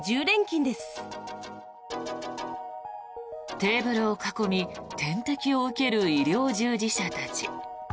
テーブルを囲み点滴を受ける医療従事者たち。